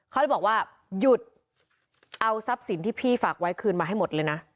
เขาเลยบอกว่าหยุดเอาทรัพย์สินที่พี่ฝากไว้คืนมาให้หมดเลยนะ